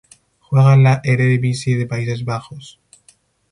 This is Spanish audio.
Juega en la Eredivisie de Países Bajos.